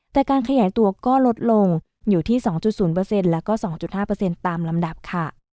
แต่การขยายตัวก็ลดลงอยู่ที่๒๐แล้วก็๒๕ตามลำดับค่ะ